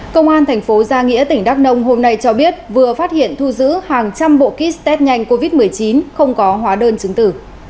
công an thành phố gia nghĩa tỉnh đắk nông hôm nay cho biết vừa phát hiện thu giữ hàng trăm bộ kit test nhanh covid một mươi chín không có hóa đơn chứng tử